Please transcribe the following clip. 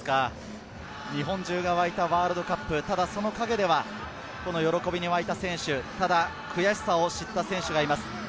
日本中が沸いたワールドカップ、その陰では喜びに沸いた選手、悔しさを知った選手がいます。